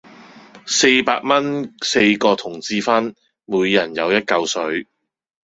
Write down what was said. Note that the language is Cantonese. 四百蚊四個同志分，每人有一舊水